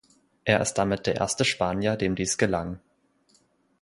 Er ist damit der erste Spanier, dem dies gelang.